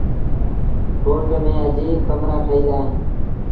ڪوٽ ميݩ اجيٚب ڪمرآ ٺهيٚل اوهيݩ ۔